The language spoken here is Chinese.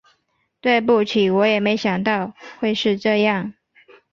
对不起，我也没想到会是这样